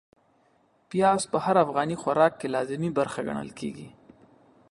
پياز په هر افغاني خوراک کې لازمي برخه ګڼل کېږي.